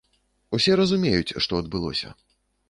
Усе разумеюць, што адбылося.